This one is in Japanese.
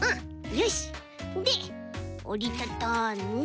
よしでっおりたたんで。